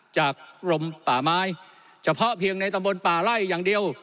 กรมป่าไม้เฉพาะเพียงในตำบลป่าไล่อย่างเดียว